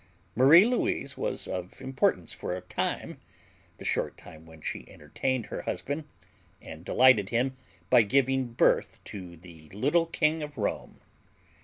Marie Louise was of importance for a time the short time when she entertained her husband and delighted him by giving birth to the little King of Rome.